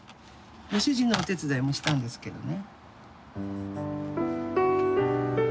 ご主人のお手伝いもしたんですけどね。